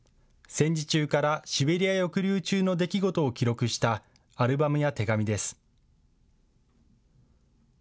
戦時中からシベリア抑留中の出来事を記録したアルバムや手紙です。